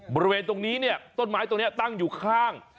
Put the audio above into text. บริเวณตรงนี้เนี่ยต้นไม้ตรงนี้ตั้งอยู่ข้าง